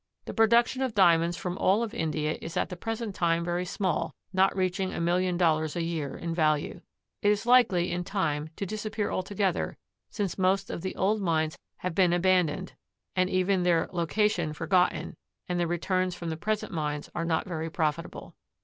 The production of Diamonds from all of India is at the present time very small, not reaching a million dollars a year in value. It is likely in time to disappear altogether since most of the old mines have been abandoned and even their location forgotten and the returns from the present mines are not very profitable.